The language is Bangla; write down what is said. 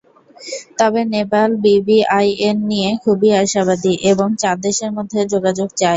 তবে নেপাল বিবিআইএন নিয়ে খুবই আশাবাদী এবং চার দেশের মধ্যে যোগাযোগ চায়।